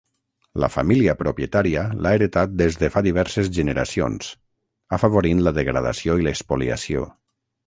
La família propietària l'ha heretat des de fa diverses generacions, afavorint la degradació i l'espoliació.